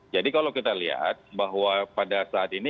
jadi kalau kita lihat bahwa pada saat ini